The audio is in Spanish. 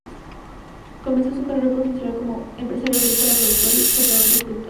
Comenzó su carrera profesional como empresario agrícola, productor y exportador de frutas.